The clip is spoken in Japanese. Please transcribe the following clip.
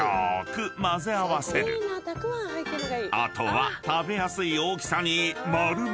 ［あとは食べやすい大きさに丸めるだけ］